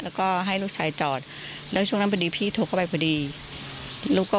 แล้วก็ให้ลูกชายจอดแล้วช่วงนั้นพอดีพี่โทรเข้าไปพอดีลูกก็